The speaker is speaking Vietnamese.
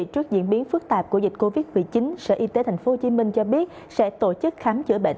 trước diễn biến phức tạp của dịch covid một mươi chín sở y tế tp hcm cho biết sẽ tổ chức khám chữa bệnh